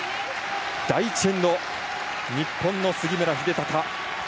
第１エンド、日本の杉村英孝。